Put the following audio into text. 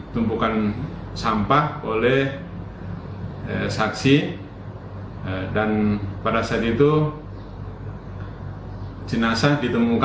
pemilah sampah di tpa patioso